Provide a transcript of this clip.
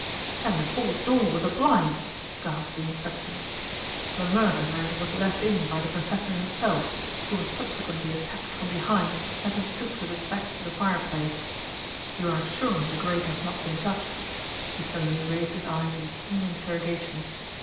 "Then the forced door was a blind?" gasped the inspector. "The murderer was let in by the professor himself, who was subsequently attacked from behind as he stood with his back to the fireplace. You are sure the grate has not been touched?" He suddenly raised his eyes in keen interrogation.